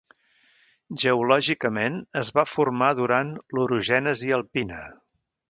Geològicament es va formar durant l'orogènesi alpina.